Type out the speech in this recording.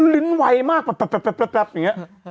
ลิ้นไวมากแบบอย่างนี้